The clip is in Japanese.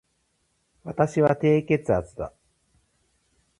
私は低血圧だ